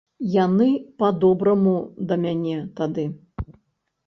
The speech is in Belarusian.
Яны па-добраму да мяне тады.